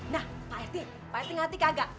nah pak rt pak rt ngerti kagak